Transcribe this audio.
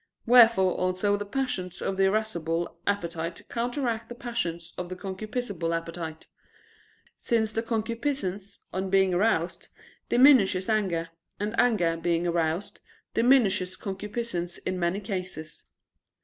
Wherefore also the passions of the irascible appetite counteract the passions of the concupiscible appetite: since the concupiscence, on being aroused, diminishes anger; and anger being roused, diminishes concupiscence in many cases.